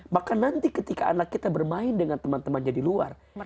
maka nanti ketika anak kita bermain dengan teman temannya di luar